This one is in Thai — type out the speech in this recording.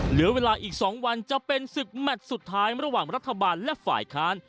เหลือเวลาอีก๒วันจะเป็นศึกแมทสุดท้ายระหว่างรัฐบาลและฝ่ายค้าน